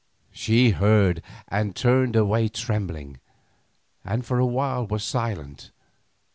She heard and turned away trembling, and for a while was silent.